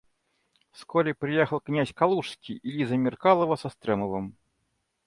Вскоре приехал князь Калужский и Лиза Меркалова со Стремовым.